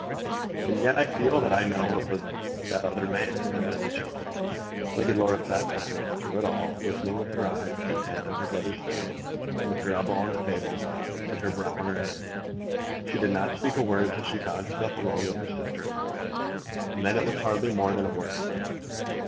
"And yet I feel that I know it was that other man," said Lady Chiltern. Lady Laura sat silent through it all, listening with her eyes intent on her brother's face, with her elbow on the table and her brow on her hand. She did not speak a word till she found herself alone with her sister in law, and then it was hardly more than a word.